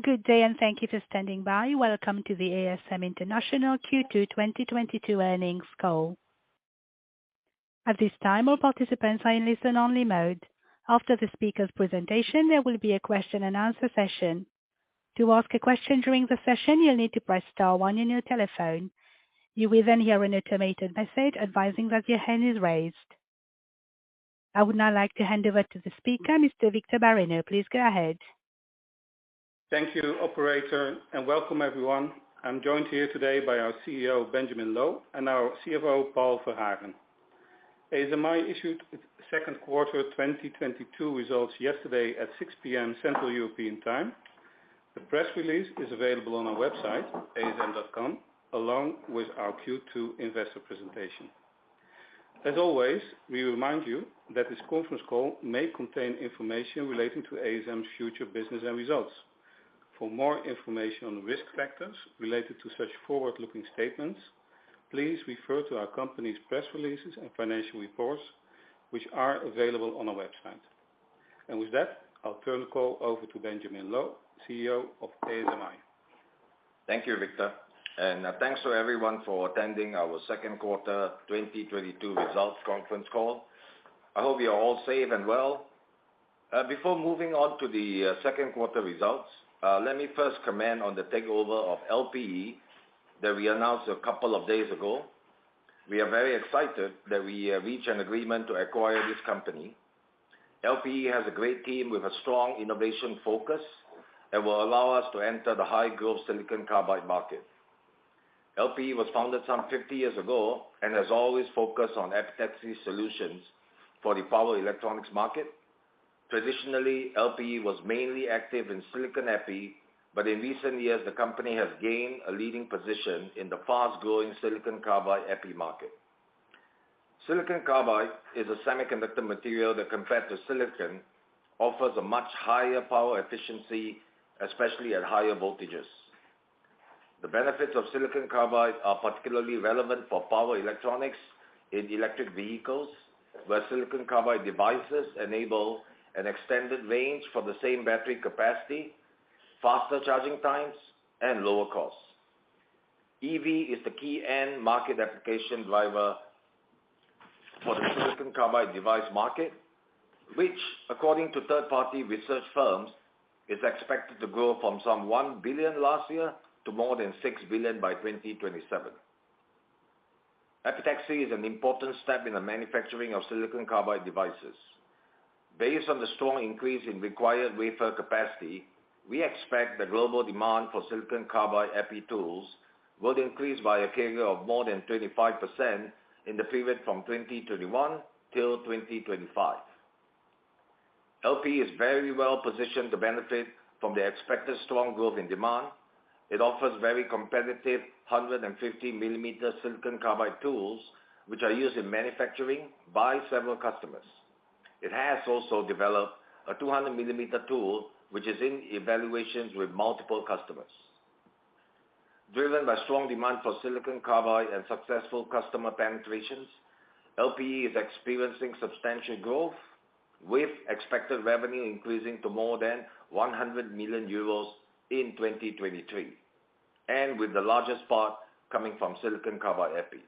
Good day, and thank you for standing by. Welcome to the ASM International Q2 2022 Earnings Call. At this time, all participants are in listen-only mode. After the speaker's presentation, there will be a question-and-answer session. To ask a question during the session, you'll need to press star one on your telephone. You will then hear an automated message advising that your hand is raised. I would now like to hand over to the speaker, Mr. Victor Bareño. Please go ahead. Thank you, operator, and welcome everyone. I'm joined here today by our CEO, Benjamin Loh, and our CFO, Paul Verhagen. ASMI issued its second quarter 2022 results yesterday at 6:00 P.M. Central European Time. The press release is available on our website, asm.com, along with our Q2 investor presentation. As always, we remind you that this conference call may contain information relating to ASM's future business and results. For more information on risk factors related to such forward-looking statements, please refer to our company's press releases and financial reports, which are available on our website. With that, I'll turn the call over to Benjamin Loh, CEO of ASMI. Thank you, Victor, and thanks to everyone for attending our second quarter 2022 results conference call. I hope you're all safe and well. Before moving on to the second quarter results, let me first comment on the takeover of LPE that we announced a couple of days ago. We are very excited that we reached an agreement to acquire this company. LPE has a great team with a strong innovation focus and will allow us to enter the high-growth silicon carbide market. LPE was founded some 50 years ago and has always focused on epitaxy solutions for the power electronics market. Traditionally, LPE was mainly active in silicon Epi, but in recent years, the company has gained a leading position in the fast-growing silicon carbide Epi market. Silicon carbide is a semiconductor material that, compared to silicon, offers a much higher power efficiency, especially at higher voltages. The benefits of silicon carbide are particularly relevant for power electronics in electric vehicles, where silicon carbide devices enable an extended range for the same battery capacity, faster charging times, and lower costs. EV is the key end market application driver for the silicon carbide device market, which according to third-party research firms, is expected to grow from some 1 billion last year to more than 6 billion by 2027. Epitaxy is an important step in the manufacturing of silicon carbide devices. Based on the strong increase in required wafer capacity, we expect the global demand for silicon carbide Epi tools will increase by a CAGR of more than 25% in the period from 2021 till 2025. LPE is very well positioned to benefit from the expected strong growth in demand. It offers very competitive 150mm silicon carbide tools, which are used in manufacturing by several customers. It has also developed a 200mm tool, which is in evaluations with multiple customers. Driven by strong demand for silicon carbide and successful customer penetrations, LPE is experiencing substantial growth with expected revenue increasing to more than 100 million euros in 2023, and with the largest part coming from silicon carbide Epi.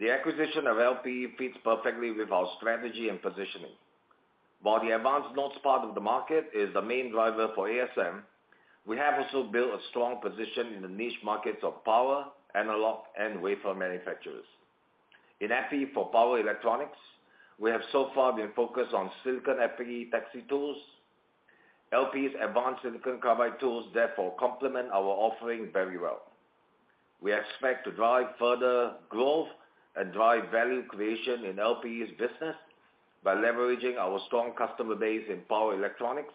The acquisition of LPE fits perfectly with our strategy and positioning. While the advanced nodes part of the market is the main driver for ASM, we have also built a strong position in the niche markets of power, analog, and wafer manufacturers. In Epi for power electronics, we have so far been focused on silicon epitaxy tools. LPE's advanced silicon carbide tools, therefore, complement our offering very well. We expect to drive further growth and drive value creation in LPE's business by leveraging our strong customer base in power electronics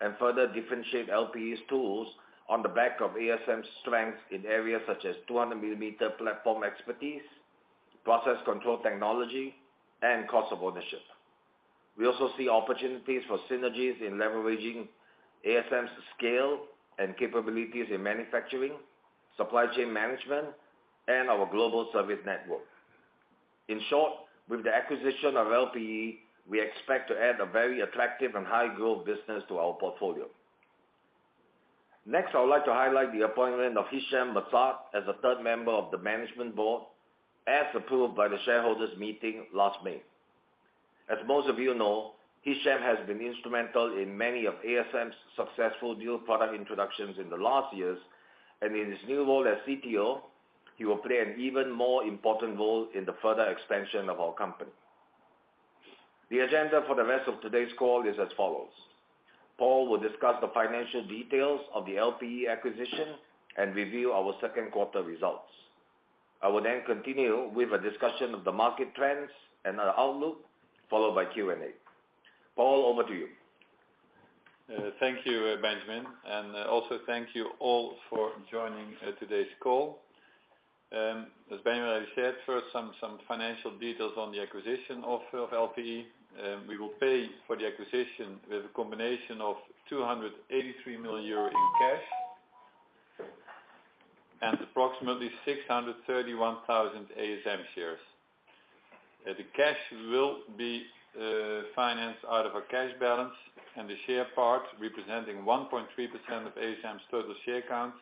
and further differentiate LPE's tools on the back of ASM's strength in areas such as 200mm platform expertise, process control technology, and cost of ownership. We also see opportunities for synergies in leveraging ASM's scale and capabilities in manufacturing, supply chain management, and our global service network. In short, with the acquisition of LPE, we expect to add a very attractive and high-growth business to our portfolio. Next, I would like to highlight the appointment of Hichem M'Saad as a third member of the Management Board as approved by the shareholders meeting last May. As most of you know, Hichem M'Saad has been instrumental in many of ASM's successful new product introductions in the last years. In his new role as CTO, he will play an even more important role in the further expansion of our company. The agenda for the rest of today's call is as follows. Paul will discuss the financial details of the LPE acquisition and review our second quarter results. I will then continue with a discussion of the market trends and our outlook, followed by Q&A. Paul, over to you. Thank you, Benjamin, and also thank you all for joining today's call. As Benjamin already said, first some financial details on the acquisition of LPE. We will pay for the acquisition with a combination of 283 million euro in cash. Approximately 631,000 ASM shares. The cash will be financed out of our cash balance, and the share part representing 1.3% of ASM's total share count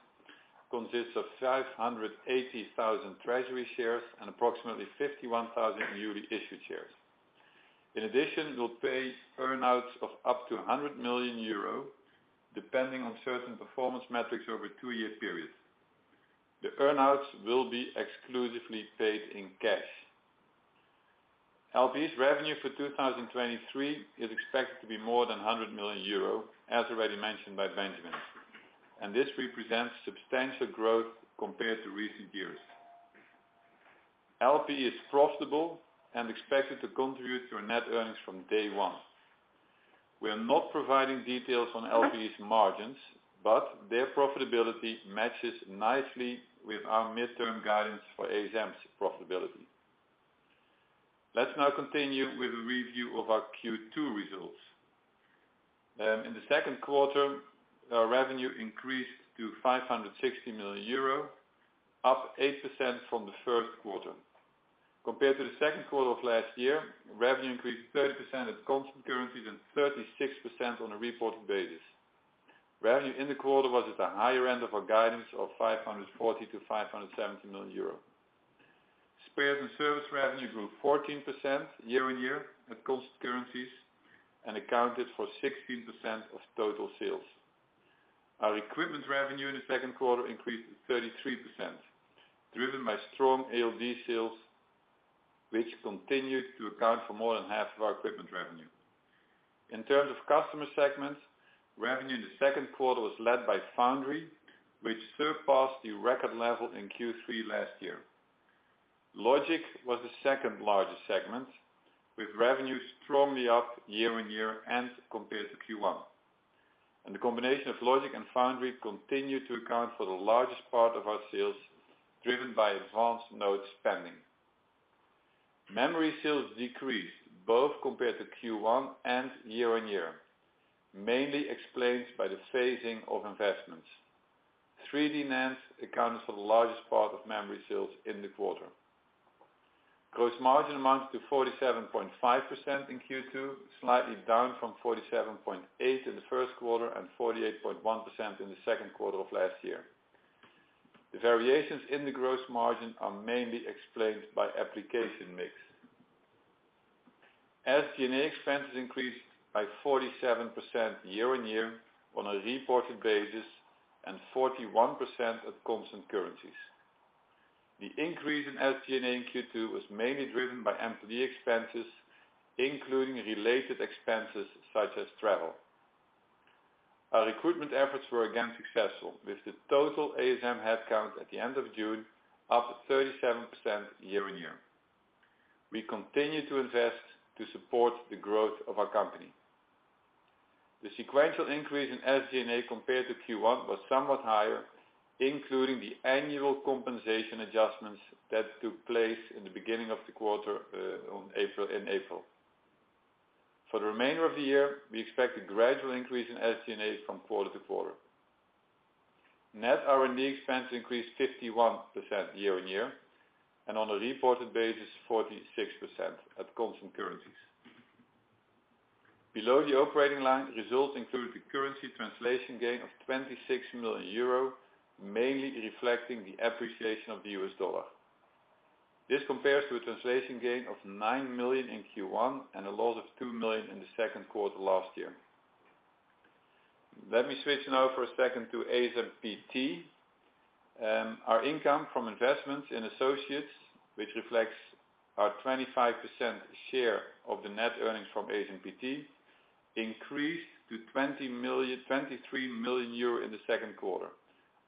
consists of 580,000 treasury shares and approximately 51,000 newly issued shares. In addition, we'll pay earn-outs of up to 100 million euro, depending on certain performance metrics over a two-year period. The earn-outs will be exclusively paid in cash. LPE's revenue for 2023 is expected to be more than 100 million euro, as already mentioned by Benjamin, and this represents substantial growth compared to recent years. LPE is profitable and expected to contribute to our net earnings from day one. We are not providing details on LPE's margins, but their profitability matches nicely with our mid-term guidance for ASM's profitability. Let's now continue with a review of our Q2 results. In the second quarter, our revenue increased to 560 million euro, up 8% from the first quarter. Compared to the second quarter of last year, revenue increased 30% at constant currency, then 36% on a reported basis. Revenue in the quarter was at the higher end of our guidance of 540 million-570 million euros. Spares and service revenue grew 14% year-on-year at constant currencies and accounted for 16% of total sales. Our equipment revenue in the second quarter increased 33%, driven by strong ALD sales, which continued to account for more than half of our equipment revenue. In terms of customer segments, revenue in the second quarter was led by Foundry, which surpassed the record level in Q3 last year. Logic was the second-largest segment, with revenue strongly up year-on-year and compared to Q1. The combination of Logic and Foundry continued to account for the largest part of our sales, driven by advanced node spending. Memory sales decreased both compared to Q1 and year-on-year, mainly explained by the phasing of investments. 3D-NAND accounts for the largest part of Memory sales in the quarter. Gross margin amounts to 47.5% in Q2, slightly down from 47.8% in the first quarter and 48.1% in the second quarter of last year. The variations in the gross margin are mainly explained by application mix. SG&A expenses increased by 47% year-on-year on a reported basis, and 41% at constant currencies. The increase in SG&A in Q2 was mainly driven by employee expenses, including related expenses such as travel. Our recruitment efforts were again successful, with the total ASM headcount at the end of June up 37% year-on-year. We continue to invest to support the growth of our company. The sequential increase in SG&A compared to Q1 was somewhat higher, including the annual compensation adjustments that took place in the beginning of the quarter in April. For the remainder of the year, we expect a gradual increase in SG&A from quarter to quarter. Net R&D expenses increased 51% year-on-year, and on a reported basis, 46% at constant currencies. Below the operating line, results include the currency translation gain of 26 million euro, mainly reflecting the appreciation of the US dollar. This compares to a translation gain of 9 million in Q1 and a loss of 2 million in the second quarter last year. Let me switch now for a second to ASMPT. Our income from investments in associates, which reflects our 25% share of the net earnings from ASMPT, increased to 23 million euro in the second quarter,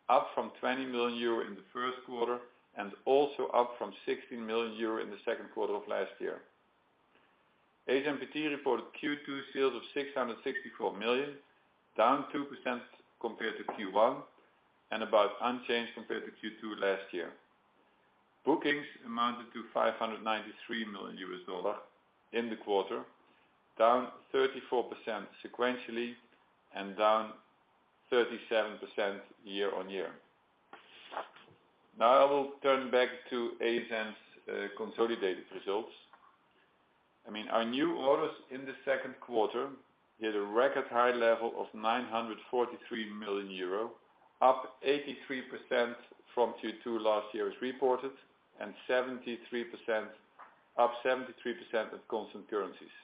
up from 20 million euro in the first quarter and also up from 16 million euro in the second quarter of last year. ASMPT reported Q2 sales of $664 million, down 2% compared to Q1 and about unchanged compared to Q2 last year. Bookings amounted to $593 million in the quarter, down 34% sequentially and down 37% year-over-year. Now I will turn back to ASM's consolidated results. I mean, our new orders in the second quarter hit a record high level of 943 million euro, up 83% from Q2 last year as reported, and 73% up 73% at constant currencies.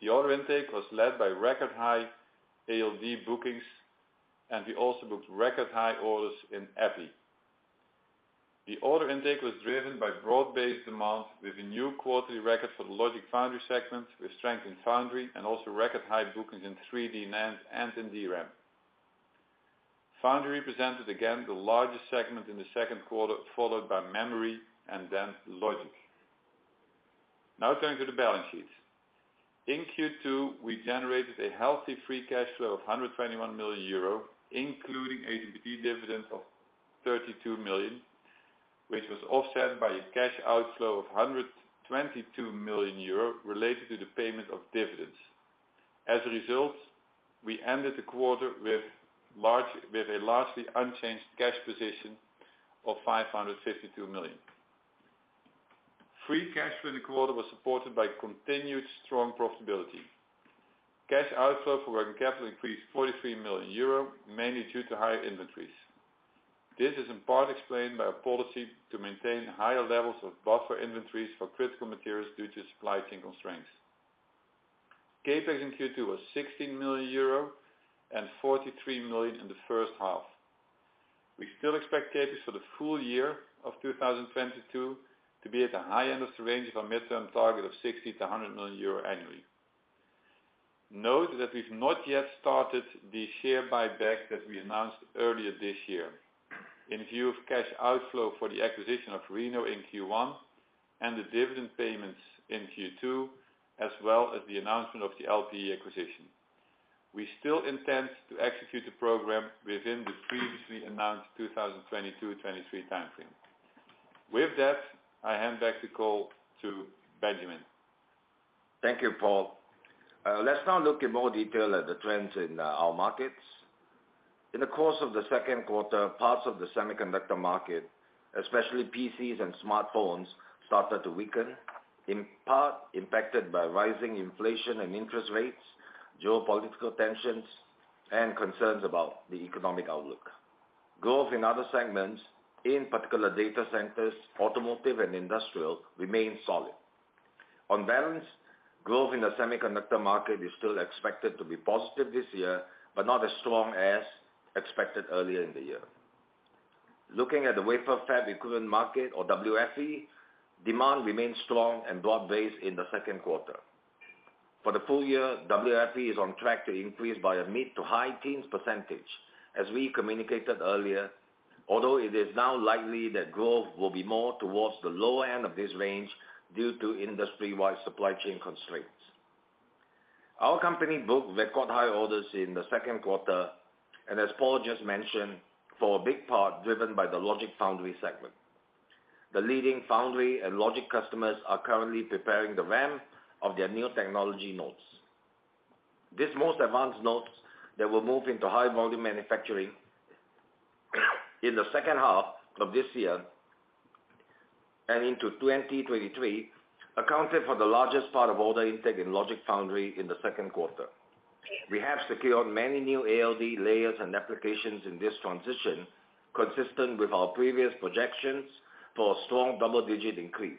The order intake was led by record high ALD bookings, and we also booked record high orders in Epi. The order intake was driven by broad-based demand with a new quarterly record for the Logic Foundry segment, with strength in Foundry and also record high bookings in 3D-NAND and in DRAM. Foundry represented again the largest segment in the second quarter, followed by Memory and then Logic. Now turning to the balance sheet. In Q2, we generated a healthy free cash flow of 121 million euro, including ASMPT dividends of 32 million, which was offset by a cash outflow of 122 million euro related to the payment of dividends. As a result, we ended the quarter with a largely unchanged cash position of 552 million. Free cash for the quarter was supported by continued strong profitability. Cash outflow for working capital increased 43 million euro, mainly due to higher inventories. This is in part explained by a policy to maintain higher levels of buffer inventories for critical materials due to supply chain constraints. CapEx in Q2 was 16 million euro and 43 million in the first half. We still expect CapEx for the full year of 2022 to be at the high end of the range of our midterm target of 60 million-100 million euro annually. Note that we've not yet started the share buyback that we announced earlier this year. In view of cash outflow for the acquisition of Reno Sub-Systems in Q1 and the dividend payments in Q2, as well as the announcement of the LPE acquisition, we still intend to execute the program within the previously announced 2022/2023 time frame. With that, I hand back the call to Benjamin. Thank you, Paul. Let's now look in more detail at the trends in our markets. In the course of the second quarter, parts of the semiconductor market, especially PCs and smartphones, started to weaken, in part impacted by rising inflation and interest rates, geopolitical tensions, and concerns about the economic outlook. Growth in other segments, in particular data centers, automotive and industrial, remain solid. On balance, growth in the semiconductor market is still expected to be positive this year, but not as strong as expected earlier in the year. Looking at the wafer fab equivalent market or WFE, demand remains strong and broad-based in the second quarter. For the full year, WFE is on track to increase by a mid- to high-teens %, as we communicated earlier, although it is now likely that growth will be more towards the lower end of this range due to industry-wide supply chain constraints. Our company booked record high orders in the second quarter, and as Paul just mentioned, for a big part driven by the Logic Foundry segment. The leading Foundry and Logic customers are currently preparing the ramp of their new technology nodes. These most advanced nodes that will move into high volume manufacturing in the second half of this year and into 2023, accounted for the largest part of order intake in Logic Foundry in the second quarter. We have secured many new ALD layers and applications in this transition, consistent with our previous projections for a strong double-digit increase.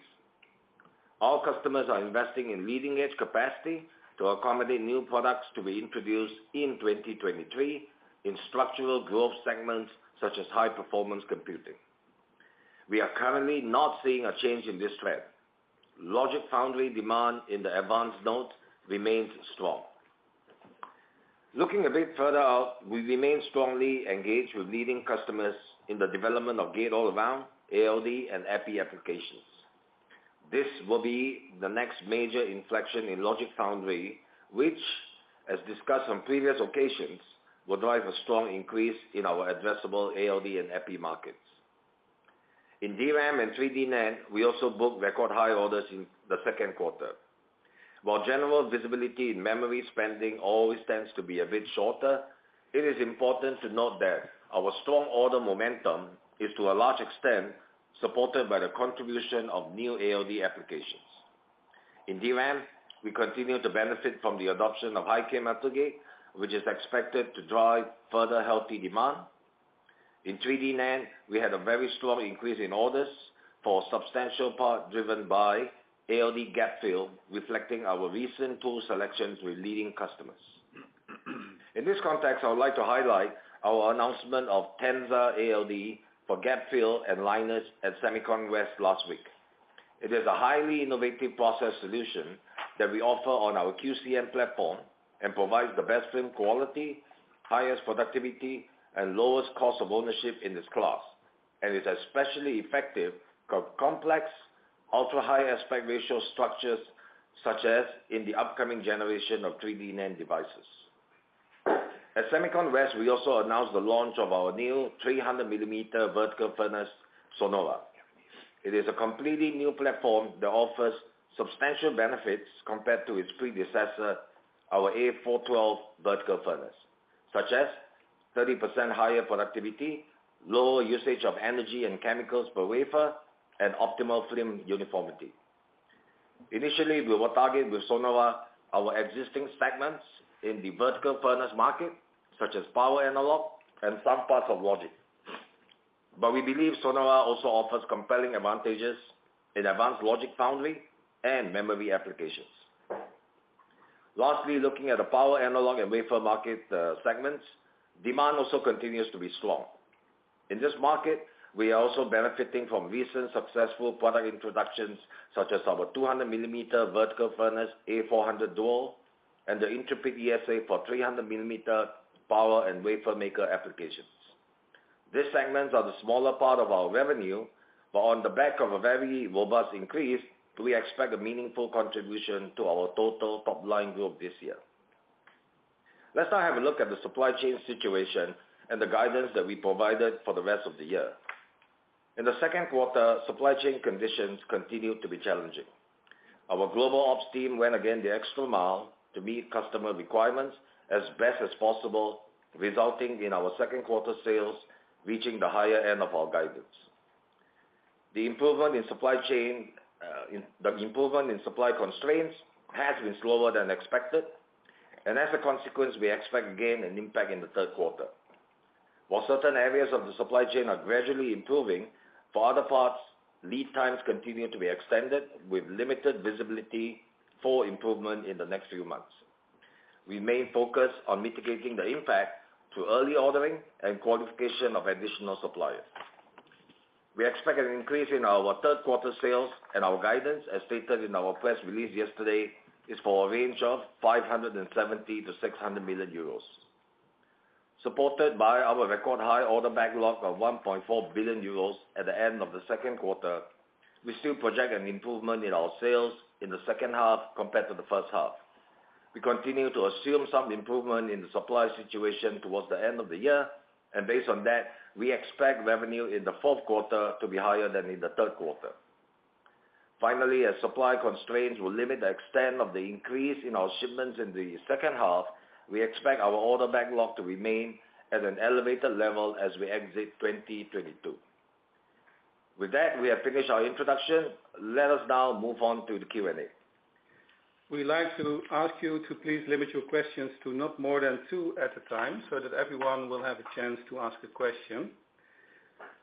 Our customers are investing in leading-edge capacity to accommodate new products to be introduced in 2023 in structural growth segments such as high-performance computing. We are currently not seeing a change in this trend. Logic Foundry demand in the advanced node remains strong. Looking a bit further out, we remain strongly engaged with leading customers in the development of gate-all-around ALD and Epi applications. This will be the next major inflection in Logic Foundry, which, as discussed on previous occasions, will drive a strong increase in our addressable ALD and Epi markets. In DRAM and 3D-NAND, we also booked record high orders in the second quarter. While general visibility in Memory spending always tends to be a bit shorter, it is important to note that our strong order momentum is to a large extent supported by the contribution of new ALD applications. In DRAM, we continue to benefit from the adoption of high-k metal gate, which is expected to drive further healthy demand. In 3D-NAND, we had a very strong increase in orders for a substantial part driven by ALD gapfill, reflecting our recent tool selections with leading customers. In this context, I would like to highlight our announcement of TENZA ALD for gapfill and liners at SEMICON West last week. It is a highly innovative process solution that we offer on our QCM platform and provides the best film quality, highest productivity, and lowest cost of ownership in this class, and is especially effective for complex, ultra-high aspect ratio structures, such as in the upcoming generation of 3D-NAND devices. At SEMICON West, we also announced the launch of our new 300mm vertical furnace, Sonora. It is a completely new platform that offers substantial benefits compared to its predecessor, our A412 vertical furnace, such as 30% higher productivity, lower usage of energy and chemicals per wafer, and optimal film uniformity. Initially, we will target with Sonora our existing segments in the vertical furnace market, such as power analog and some parts of Logic. We believe Sonora also offers compelling advantages in advanced Logic Foundry and Memory applications. Lastly, looking at the power analog and wafer market segments, demand also continues to be strong. In this market, we are also benefiting from recent successful product introductions, such as our 200mm vertical furnace, A400 Duo, and the Intrepid ESA for 300mm power and analog applications. These segments are the smaller part of our revenue, but on the back of a very robust increase, we expect a meaningful contribution to our total top-line growth this year. Let's now have a look at the supply chain situation and the guidance that we provided for the rest of the year. In the second quarter, supply chain conditions continued to be challenging. Our global ops team went again the extra mile to meet customer requirements as best as possible, resulting in our second quarter sales reaching the higher end of our guidance. The improvement in supply constraints has been slower than expected, and as a consequence, we expect, again, an impact in the third quarter. While certain areas of the supply chain are gradually improving, for other parts, lead times continue to be extended with limited visibility for improvement in the next few months. We remain focused on mitigating the impact through early ordering and qualification of additional suppliers. We expect an increase in our third quarter sales and our guidance, as stated in our press release yesterday, is for a range of 570 million-600 million euros. Supported by our record high order backlog of 1.4 billion euros at the end of the second quarter, we still project an improvement in our sales in the second half compared to the first half. We continue to assume some improvement in the supply situation towards the end of the year, and based on that, we expect revenue in the fourth quarter to be higher than in the third quarter. Finally, as supply constraints will limit the extent of the increase in our shipments in the second half, we expect our order backlog to remain at an elevated level as we exit 2022. With that, we have finished our introduction. Let us now move on to the Q&A. We'd like to ask you to please limit your questions to not more than two at a time, so that everyone will have a chance to ask a question.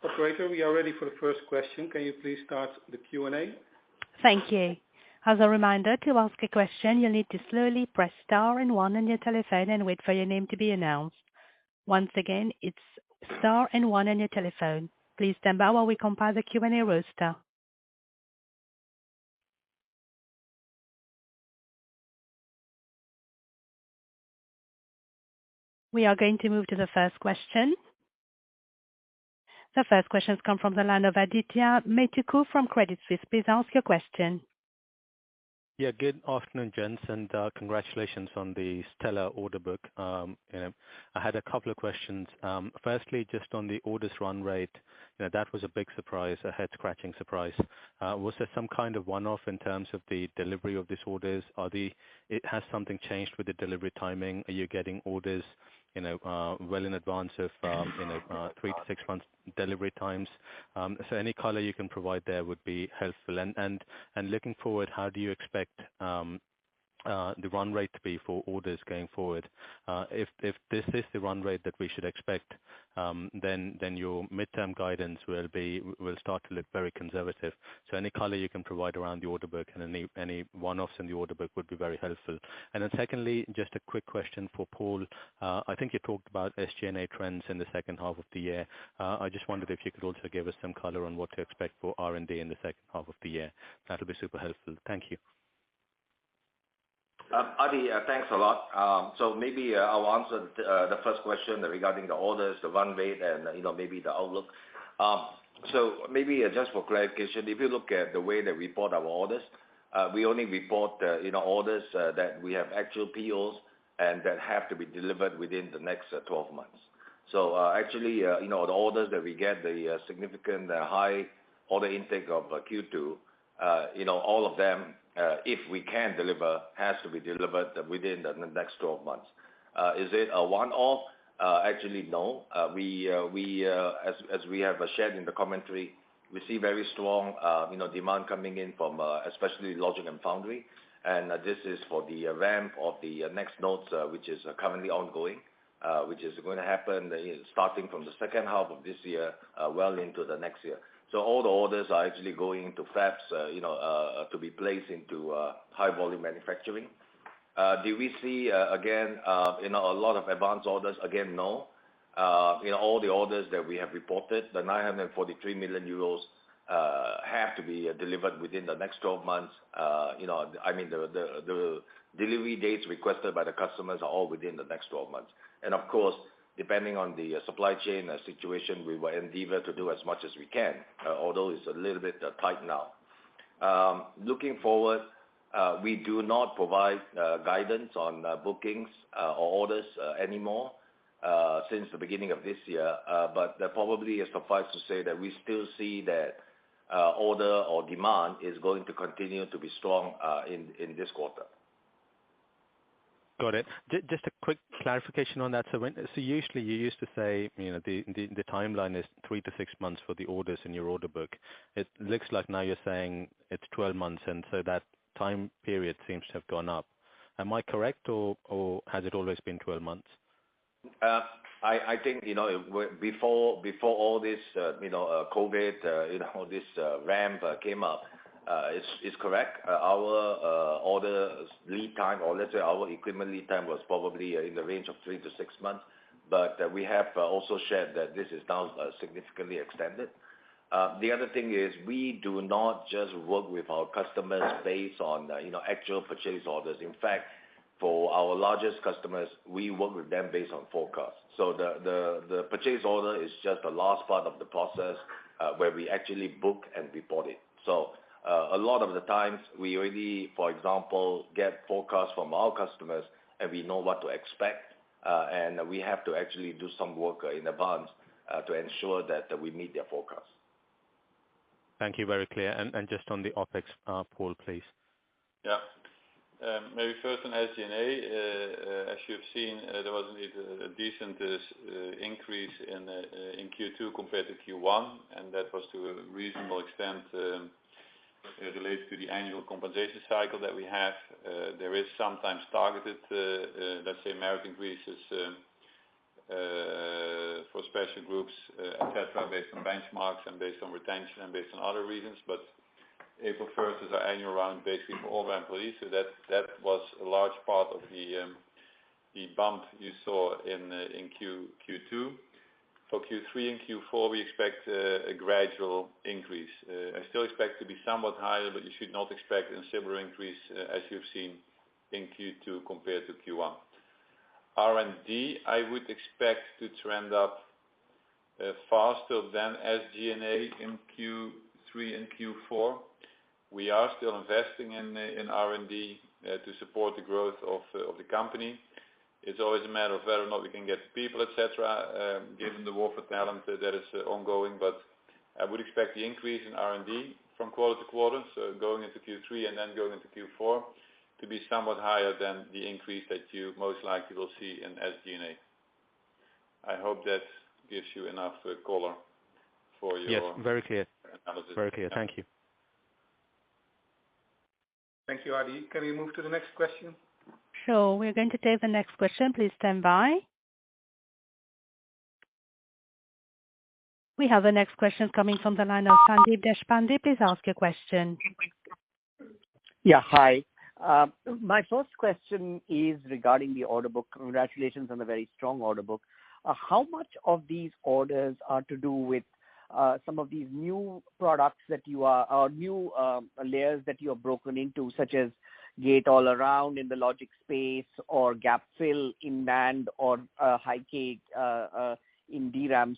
Operator, we are ready for the first question. Can you please start the Q&A? Thank you. As a reminder, to ask a question, you'll need to slowly press star and one on your telephone and wait for your name to be announced. Once again, it's star and one on your telephone. Please stand by while we compile the Q&A roster. We are going to move to the first question. The first question come from the line of Adithya Metuku from Credit Suisse. Please ask your question. Yeah, good afternoon, gents, and congratulations on the stellar order book. I had a couple of questions. Firstly, just on the orders run rate, you know, that was a big surprise, a head-scratching surprise. Was there some kind of one-off in terms of the delivery of these orders? Has something changed with the delivery timing? Are you getting orders, you know, well in advance of, you know, three to six months delivery times? Any color you can provide there would be helpful. Looking forward, how do you expect the run rate to be for orders going forward? If this is the run rate that we should expect, then your midterm guidance will start to look very conservative. Any color you can provide around the order book and any one-offs in the order book would be very helpful. Secondly, just a quick question for Paul. I think you talked about SG&A trends in the second half of the year. I just wondered if you could also give us some color on what to expect for R&D in the second half of the year. That'll be super helpful. Thank you. Adi, thanks a lot. Maybe I'll answer the first question regarding the orders, the run rate, and, you know, maybe the outlook. Maybe just for clarification, if you look at the way that we report our orders, we only report, you know, orders that we have actual POs and that have to be delivered within the next 12 months. Actually, you know, the orders that we get, the significant high order intake of Q2, you know, all of them, if we can deliver, has to be delivered within the next 12 months. Is it a one-off? Actually, no. We, as we have shared in the commentary, we see very strong, you know, demand coming in from, especially Logic and Foundry. This is for the ramp of the next nodes, which is currently ongoing, which is gonna happen starting from the second half of this year, well into the next year. All the orders are actually going to fabs, you know, to be placed into high volume manufacturing. Do we see, again, you know, a lot of advanced orders? Again, no. You know, all the orders that we have reported, 943 million euros, have to be delivered within the next 12 months. You know, I mean, the delivery dates requested by the customers are all within the next 12 months. Of course, depending on the supply chain situation, we will endeavor to do as much as we can, although it's a little bit tight now. Looking forward, we do not provide guidance on bookings or orders anymore since the beginning of this year. That probably suffice to say that we still see that order or demand is going to continue to be strong in this quarter. Got it. Just a quick clarification on that. Usually you used to say, you know, the timeline is 3-6 months for the orders in your order book. It looks like now you're saying it's 12 months, and so that time period seems to have gone up. Am I correct or has it always been 12 months? I think you know before all this you know COVID you know this ramp came up is correct. Our order lead time, or let's say our equipment lead time was probably in the range of 3-6 months. We have also shared that this is now significantly extended. The other thing is we do not just work with our customers based on you know actual purchase orders. In fact, for our largest customers, we work with them based on forecast. The purchase order is just the last part of the process where we actually book and report it. A lot of the times we already, for example, get forecasts from our customers, and we know what to expect, and we have to actually do some work in advance to ensure that we meet their forecast. Thank you. Very clear. Just on the OpEx, Paul, please. Yeah. Maybe first on SG&A. As you have seen, there was indeed a decent increase in Q2 compared to Q1, and that was to a reasonable extent related to the annual compensation cycle that we have. There is sometimes targeted, let's say merit increases for special groups, et cetera, based on benchmarks and based on retention and based on other reasons. April first is our annual round, basically for all the employees. That was a large part of the bump you saw in Q2. For Q3 and Q4, we expect a gradual increase. I still expect to be somewhat higher, but you should not expect a similar increase as you've seen in Q2 compared to Q1. R&D, I would expect to trend up faster than SG&A in Q3 and Q4. We are still investing in R&D to support the growth of the company. It's always a matter of whether or not we can get the people, et cetera, given the war for talent that is ongoing. I would expect the increase in R&D from quarter to quarter, so going into Q3 and then going into Q4, to be somewhat higher than the increase that you most likely will see in SG&A. I hope that gives you enough color for your Yes. Very clear. Analysis. Very clear. Thank you. Thank you, Adi. Can we move to the next question? Sure. We're going to take the next question. Please stand by. We have the next question coming from the line of Sandeep Deshpande. Please ask your question. Yeah. Hi. My first question is regarding the order book. Congratulations on the very strong order book. How much of these orders are to do with some of these new products or new layers that you have broken into, such as gate-all-around in the Logic space or gap fill in NAND or high-k in DRAM?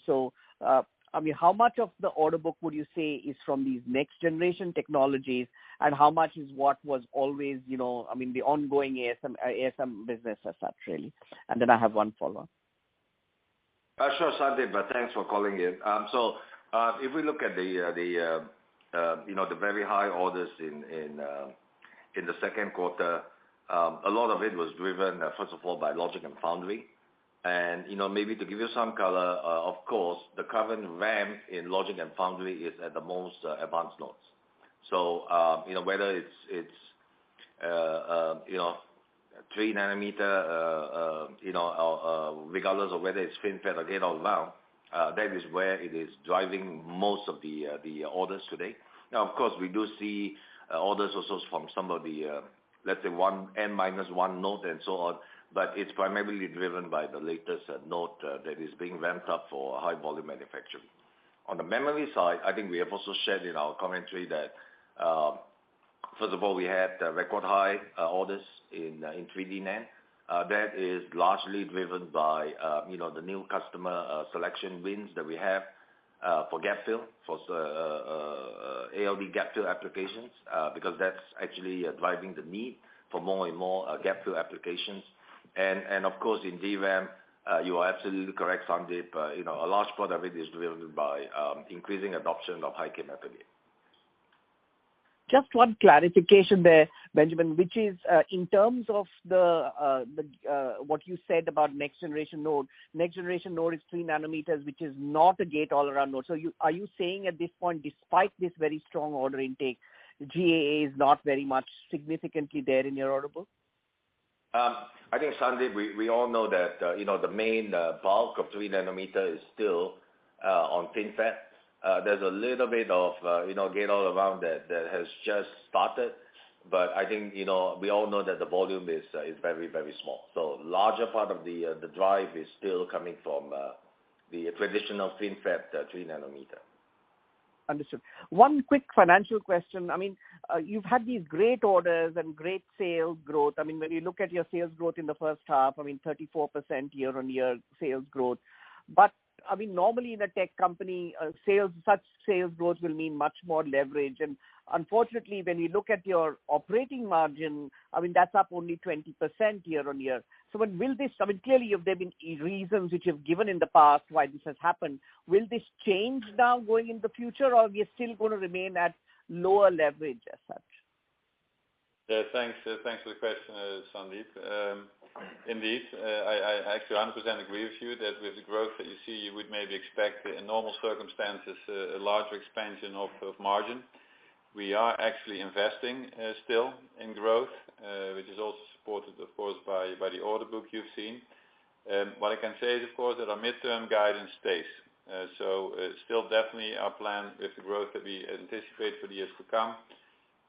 I mean, how much of the order book would you say is from these next generation technologies, and how much is what was always, you know, I mean, the ongoing ASM business as such, really? I have one follow-up. Sure, Sandeep. Thanks for calling in. If we look at the very high orders in the second quarter, a lot of it was driven, first of all, by Logic and Foundry. You know, maybe to give you some color, of course, the current ramp in Logic and Foundry is at the most advanced nodes. You know, whether it's 3nm or, regardless of whether it's FinFET or gate-all-around, that is where it is driving most of the orders today. Now, of course, we do see orders also from some of the, let's say one N minus one node and so on, but it's primarily driven by the latest node that is being ramped up for high volume manufacturing. On the Memory side, I think we have also shared in our commentary that, first of all, we had record high orders in 3D-NAND. That is largely driven by, you know, the new customer selection wins that we have for gap fill, for ALD gapfill applications, because that's actually driving the need for more and more gap fill applications. Of course, in DRAM, you are absolutely correct, Sandeep. You know, a large part of it is driven by increasing adoption of high-k metal gate. Just one clarification there, Benjamin, which is, in terms of what you said about next generation node. Next generation node is 3nm, which is not a gate-all-around node. So, are you saying at this point, despite this very strong order intake, GAA is not very much significantly there in your order book? I think, Sandeep, we all know that, you know, the main bulk of 3nm is still on FinFET. There's a little bit of, you know, gate-all-around that has just started, but I think, you know, we all know that the volume is very, very small. Larger part of the drive is still coming from the traditional FinFET 3nm. Understood. One quick financial question. I mean, you've had these great orders and great sales growth. I mean, when you look at your sales growth in the first half, I mean, 34% year-on-year sales growth. I mean, normally in a tech company, sales, such sales growth will mean much more leverage. Unfortunately, when you look at your operating margin, I mean, that's up only 20% year-on-year. When will this? I mean, clearly there have been reasons which you've given in the past why this has happened. Will this change now going in the future, or you're still gonna remain at lower leverage as such? Yeah. Thanks for the question, Sandeep. I actually 100% agree with you that with the growth that you see, you would maybe expect in normal circumstances a larger expansion of margin. We are actually investing still in growth, which is also supported of course by the order book you've seen. What I can say is, of course, that our midterm guidance stays. Still definitely our plan with the growth that we anticipate for the years to come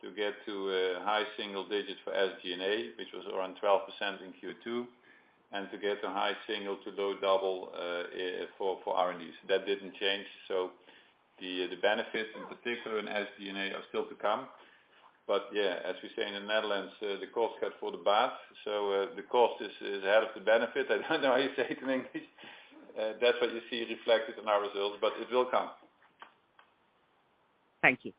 to get to high single digits for SG&A, which was around 12% in Q2, and to get to high single to low double for R&D. That didn't change. The benefit in particular in SG&A are still to come. Yeah, as we say in the Netherlands, the cost cut for the bath. The cost is ahead of the benefit. I don't know how you say it in English. That's what you see reflected in our results, but it will come. Thank you.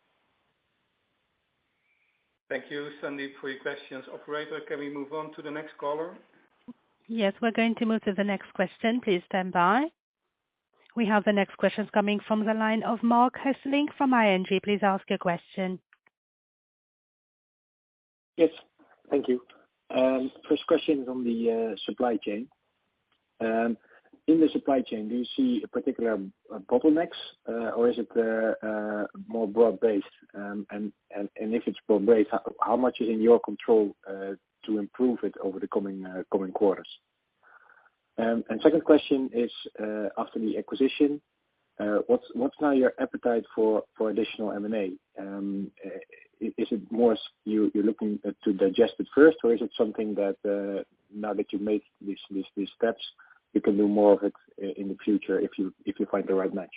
Thank you, Sandeep, for your questions. Operator, can we move on to the next caller? Yes, we're going to move to the next question. Please stand by. We have the next questions coming from the line of Marc Hesselink from ING. Please ask your question. Yes. Thank you. First question is on the supply chain. In the supply chain, do you see a particular bottlenecks, or is it more broad-based? If it's broad-based, how much is in your control to improve it over the coming quarters? Second question is, after the acquisition, what's now your appetite for additional M&A? Is it more you're looking to digest it first, or is it something that now that you've made these steps, you can do more of it in the future if you find the right match?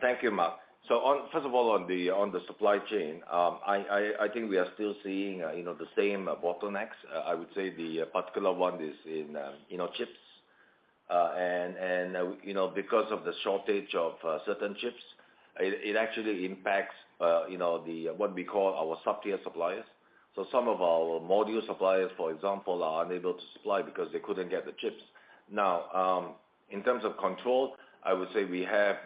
Thank you, Marc. First of all, on the supply chain, I think we are still seeing, you know, the same bottlenecks. I would say the particular one is in, you know, chips. And you know, because of the shortage of certain chips, it actually impacts, you know, the what we call our sub-tier suppliers. Some of our module suppliers, for example, are unable to supply because they couldn't get the chips. Now, in terms of control, I would say we have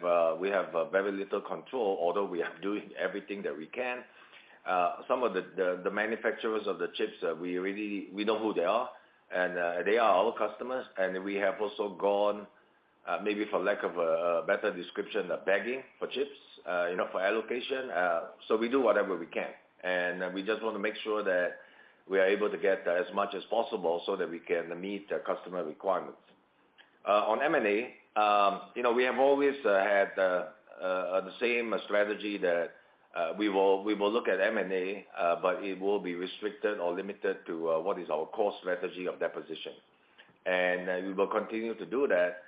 very little control, although we are doing everything that we can. Some of the manufacturers of the chips, we already know who they are, and they are our customers. We have also gone, maybe for lack of a better description, begging for chips, you know, for allocation. So we do whatever we can. We just wanna make sure that we are able to get as much as possible so that we can meet the customer requirements. On M&A, you know, we have always had the same strategy that we will look at M&A, but it will be restricted or limited to what is our core strategy of deposition. We will continue to do that.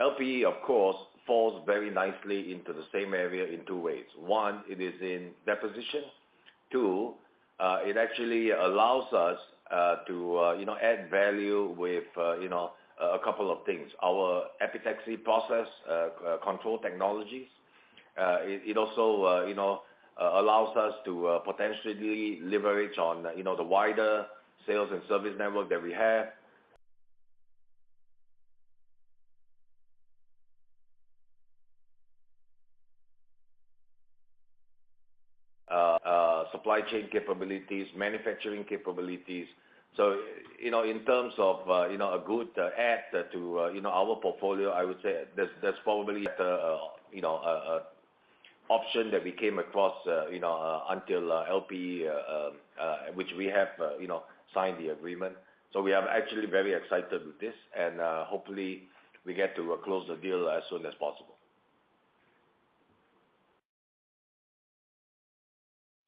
LPE, of course, falls very nicely into the same area in two ways. One, it is in deposition. Two, it actually allows us to, you know, add value with, you know, a couple of things. Our epitaxy process control technologies. It also, you know, allows us to potentially leverage on, you know, the wider sales and service network that we have. Supply chain capabilities, manufacturing capabilities. You know, in terms of a good add to, you know, our portfolio, I would say there's probably, you know, a option that we came across, you know, until LPE, which we have, you know, signed the agreement. We are actually very excited with this and hopefully we get to close the deal as soon as possible.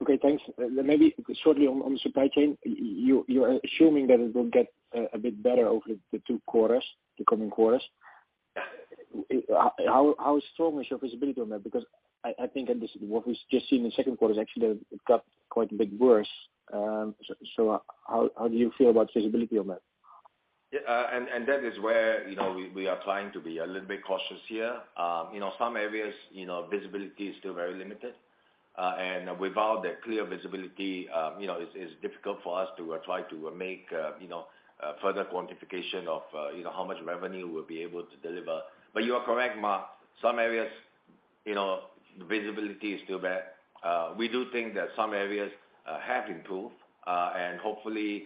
Okay, thanks. Maybe shortly on the supply chain. You're assuming that it will get a bit better over the two quarters, the coming quarters. How strong is your visibility on that? Because I think in this, what we've just seen in the second quarter is actually that it got quite a bit worse. How do you feel about visibility on that? Yeah. That is where, you know, we are trying to be a little bit cautious here. You know, some areas, you know, visibility is still very limited. Without that clear visibility, you know, it's difficult for us to try to make, you know, further quantification of, you know, how much revenue we'll be able to deliver. You are correct, Marc. Some areas, you know, visibility is still bad. We do think that some areas have improved. Hopefully,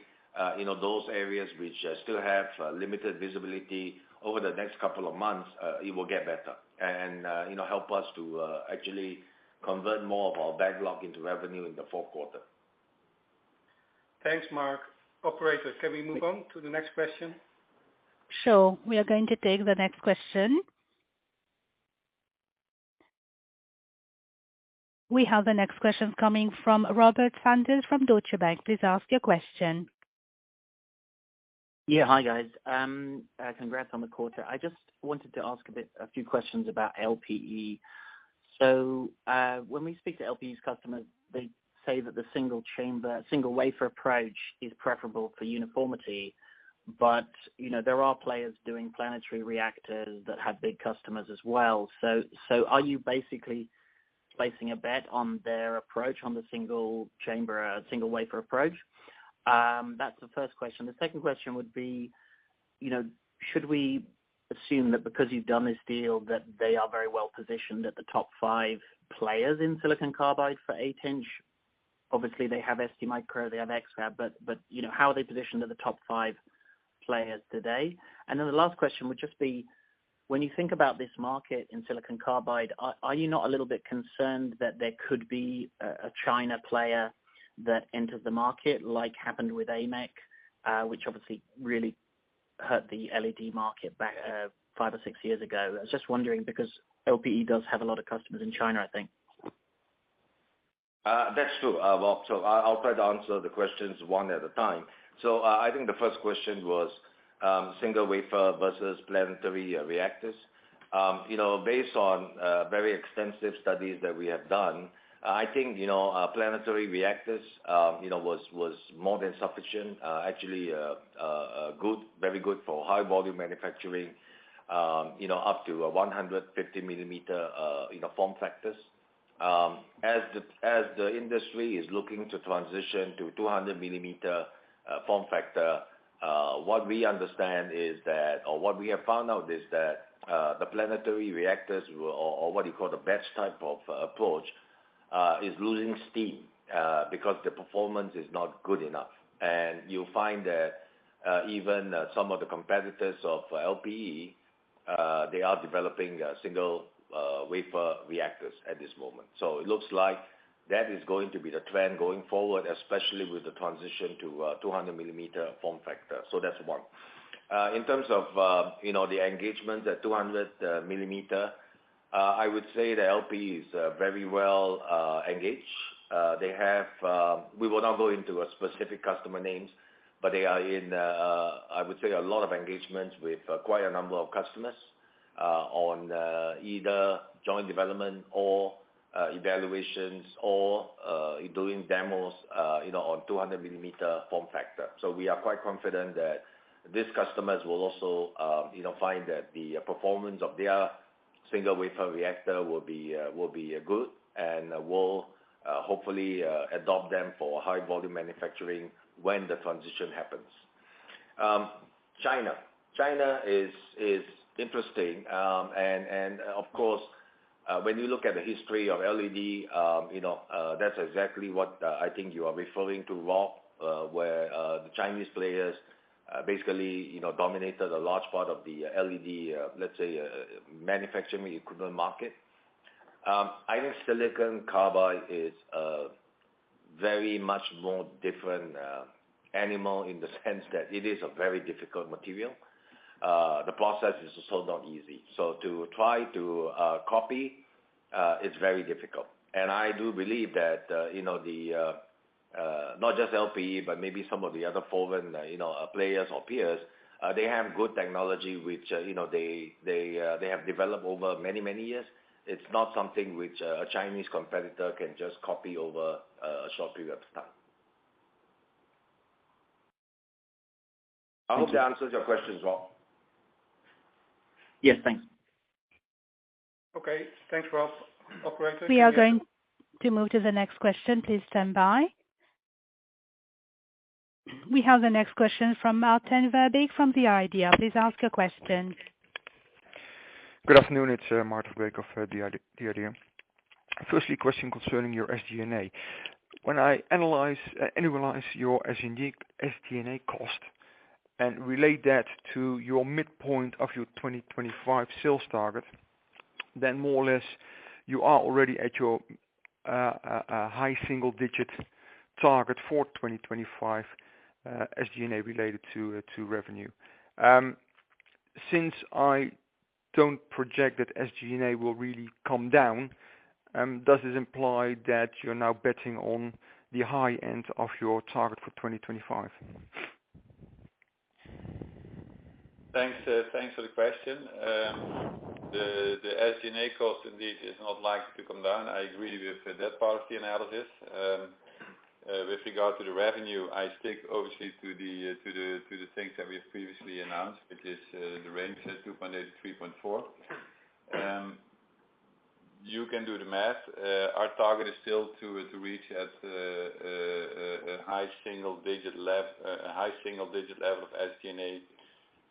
you know, those areas which still have limited visibility over the next couple of months, it will get better and, you know, help us to actually convert more of our backlog into revenue in the fourth quarter. Thanks, Marc. Operator, can we move on to the next question? Sure. We are going to take the next question. We have the next questions coming from Robert Sanders from Deutsche Bank. Please ask your question. Yeah. Hi, guys. Congrats on the quarter. I just wanted to ask a bit, a few questions about LPE. When we speak to LPE's customers, they say that the single chamber, single wafer approach is preferable for uniformity. You know, there are players doing planetary reactors that have big customers as well. Are you basically placing a bet on their approach on the single chamber, single wafer approach? That's the first question. The second question would be, you know, should we assume that because you've done this deal, that they are very well positioned at the top five players in silicon carbide for eight-inch? Obviously, they have STMicroelectronics, they have X-FAB Silicon Foundries, but you know, how are they positioned at the top five players today? Then the last question would just be: when you think about this market in silicon carbide, are you not a little bit concerned that there could be a China player that enters the market, like happened with AMEC, which obviously really hurt the LED market back, five or six years ago. I was just wondering, because LPE does have a lot of customers in China, I think. That's true, Robert. I'll try to answer the questions one at a time. I think the first question was single wafer versus planetary reactors. You know, based on very extensive studies that we have done, I think, you know, planetary reactors was more than sufficient, actually good, very good for high volume manufacturing, you know, up to 150mm form factors. As the industry is looking to transition to 200mm form factor, what we understand is that, or what we have found out is that, the planetary reactors or what you call the batch type of approach is losing steam because the performance is not good enough. You'll find that even some of the competitors of LPE, they are developing single wafer reactors at this moment. It looks like that is going to be the trend going forward, especially with the transition to 200mm form factor. That's one. In terms of you know the engagement at 200mm, I would say that LPE is very well engaged. We will not go into specific customer names, but they are in, I would say, a lot of engagements with quite a number of customers on either joint development or evaluations or doing demos, you know, on 200mm form factor. We are quite confident that these customers will also, you know, find that the performance of their single wafer reactor will be good and will hopefully adopt them for high volume manufacturing when the transition happens. China. China is interesting. Of course, when you look at the history of LED, you know, that's exactly what I think you are referring to, Robert, where the Chinese players basically, you know, dominated a large part of the LED, let's say, manufacturing equipment market. I think silicon carbide is a very much more different animal in the sense that it is a very difficult material. The process is also not easy. To try to copy is very difficult. I do believe that you know not just LPE, but maybe some of the other foreign you know players or peers, they have good technology which you know they have developed over many, many years. It's not something which a Chinese competitor can just copy over a short period of time. I hope that answers your question, Robert. Yes. Thanks. Okay. Thanks, Robert. We are going to move to the next question. Please stand by. We have the next question from Maarten Verbeek from The IDEA!. Please ask your question. Good afternoon. It's Maarten Verbeek of The IDEA!. Firstly, question concerning your SG&A. When I analyze your SG&A cost and relate that to your midpoint of your 2025 sales target, then more or less you are already at your high single digit target for 2025, SG&A related to revenue. Since I don't project that SG&A will really come down, does this imply that you're now betting on the high end of your target for 2025? Thanks. Thanks for the question. The SG&A cost indeed is not likely to come down. I agree with that part of the analysis. With regard to the revenue, I stick obviously to the things that we have previously announced, which is the range of 2.8-3.4. You can do the math. Our target is still to reach a high single-digit level of SG&A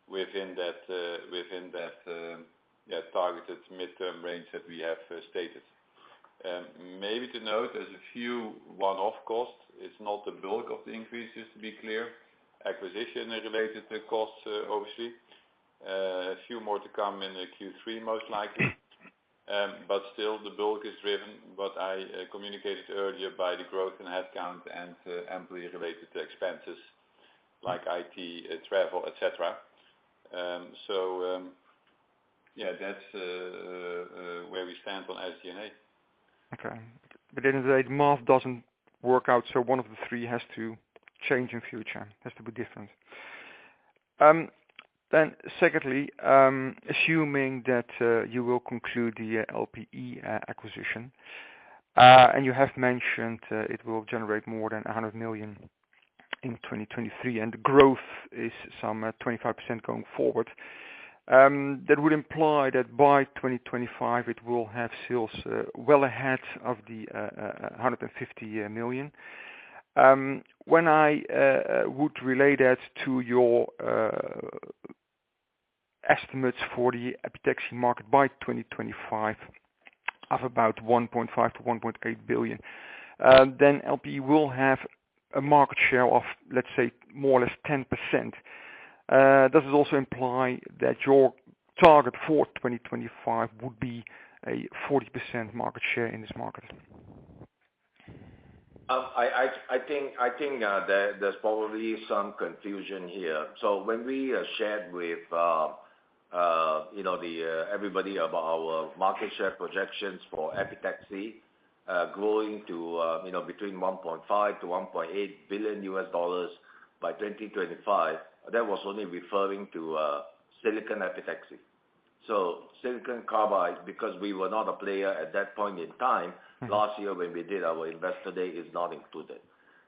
within that targeted midterm range that we have stated. Maybe to note, there's a few one-off costs. It's not the bulk of the increases, to be clear. Acquisition-related costs, obviously. A few more to come in the Q3, most likely. Still, the bulk is driven, as I communicated earlier, by the growth in headcount and employee-related expenses like IT, travel, et cetera. Yeah, that's where we stand on SG&A. Okay. At the end of the day, the math doesn't work out, so one of the three has to change in future, has to be different. Secondly, assuming that you will conclude the LPE acquisition, and you have mentioned it will generate more than 100 million in 2023, and growth is some 25% going forward, that would imply that by 2025, it will have sales well ahead of 150 million. When I would relate that to your estimates for the epitaxy market by 2025 of about 1.5 billion-1.8 billion, LPE will have a market share of, let's say more or less 10%. Does this also imply that your target for 2025 would be a 40% market share in this market? I think there's probably some confusion here. When we shared with you know, everybody about our market share projections for epitaxy growing to you know between $1.5 billion-$1.8 billion by 2025, that was only referring to silicon epitaxy. Silicon carbide, because we were not a player at that point in time. Mm-hmm Last year when we did our investor day is not included.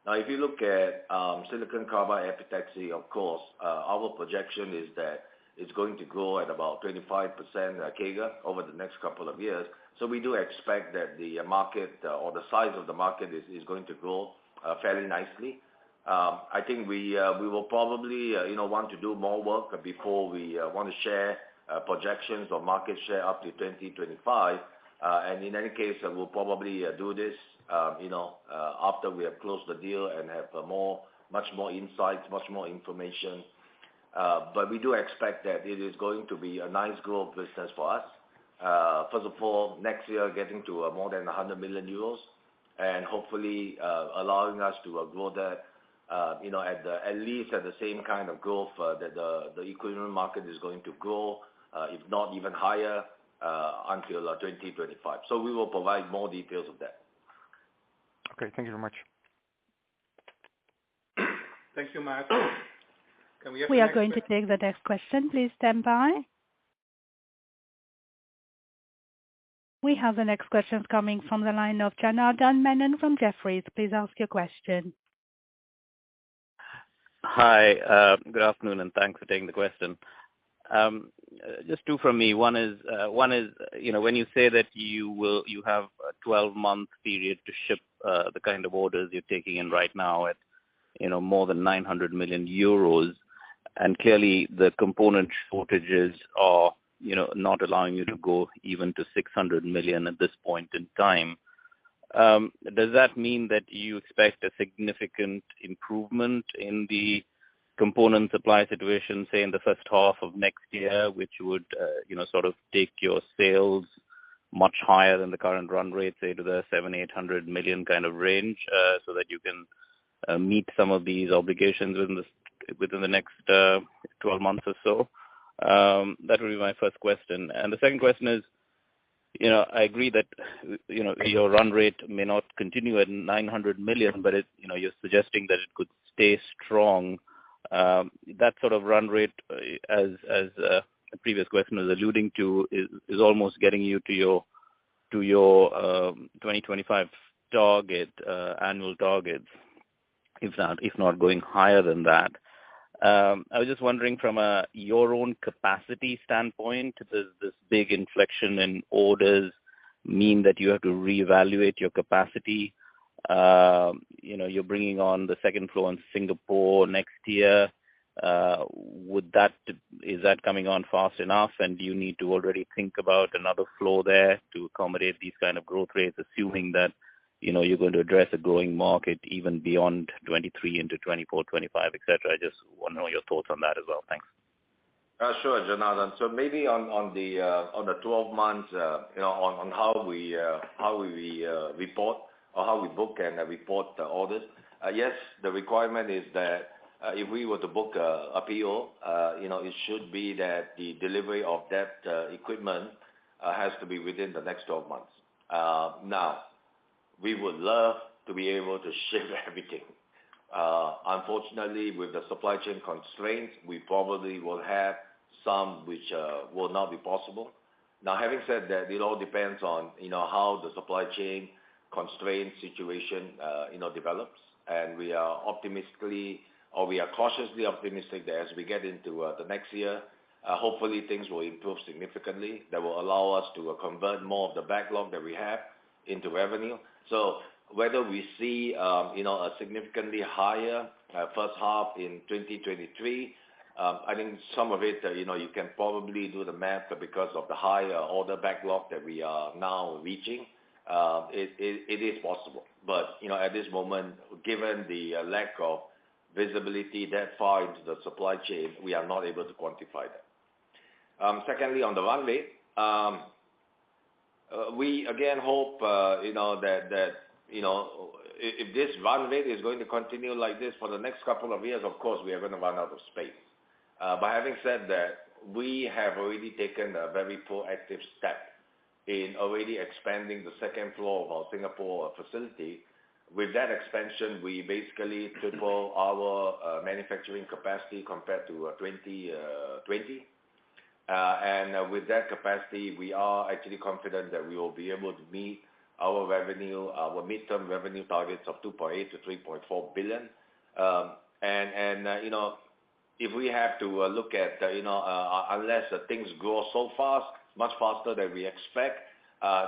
Now, if you look at silicon carbide epitaxy, of course, our projection is that it's going to grow at about 25% CAGR over the next couple of years. We do expect that the market or the size of the market is going to grow fairly nicely. I think we will probably, you know, want to do more work before we want to share projections or market share up to 2025. In any case, we'll probably do this, you know, after we have closed the deal and have much more insights, much more information. But we do expect that it is going to be a nice growth business for us. First of all, next year, getting to more than 100 million euros, and hopefully allowing us to grow that, you know, at least at the same kind of growth that the equivalent market is going to grow, if not even higher, until 2025. We will provide more details of that. Okay, thank you very much. Thank you, Marc. Can we have the next. We are going to take the next question. Please stand by. We have the next question coming from the line of Janardan Menon from Jefferies. Please ask your question. Hi, good afternoon, and thanks for taking the question. Just two from me. One is, you know, when you say that you have a 12-month period to ship, the kind of orders you're taking in right now at, you know, more than 900 million euros, and clearly the component shortages are, you know, not allowing you to go even to 600 million at this point in time. Does that mean that you expect a significant improvement in the component supply situation, say in the first half of next year, which would, you know, sort of take your sales much higher than the current run rate, say to the 700 million-800 million kind of range, so that you can meet some of these obligations within the next 12 months or so? That would be my first question. The second question is, you know, I agree that, you know, your run rate may not continue at 900 million, but it you know, you're suggesting that it could stay strong. That sort of run rate, as the previous question was alluding to, is almost getting you to your 2025 target, annual target, if not going higher than that. I was just wondering from your own capacity standpoint, does this big inflection in orders mean that you have to reevaluate your capacity? You know, you're bringing on the second floor in Singapore next year. Is that coming on fast enough, and do you need to already think about another floor there to accommodate these kind of growth rates, assuming that, you know, you're going to address a growing market even beyond 2023 into 2024, 2025, et cetera? I just wanna know your thoughts on that as well. Thanks. Sure, Janardan. Maybe on the twelve months, you know, on how we report or how we book and report the orders. Yes, the requirement is that, if we were to book a PO, you know, it should be that the delivery of that equipment has to be within the next twelve months. Now, we would love to be able to ship everything. Unfortunately, with the supply chain constraints, we probably will have some which will not be possible. Now, having said that, it all depends on, you know, how the supply chain constraint situation, you know, develops. We are cautiously optimistic that as we get into the next year, hopefully things will improve significantly. That will allow us to convert more of the backlog that we have into revenue. Whether we see, you know, a significantly higher first half in 2023, I think some of it, you know, you can probably do the math because of the higher order backlog that we are now reaching. It is possible. You know, at this moment, given the lack of visibility that far into the supply chain, we are not able to quantify that. Secondly, on the run rate, we again hope, you know, that if this run rate is going to continue like this for the next couple of years, of course, we are gonna run out of space. Having said that, we have already taken a very proactive step in already expanding the second floor of our Singapore facility. With that expansion, we basically triple our manufacturing capacity compared to 2020. With that capacity, we are actually confident that we will be able to meet our revenue, our midterm revenue targets of 2.8 billion-3.4 billion. You know, if we have to look at, you know, unless things grow so fast, much faster than we expect,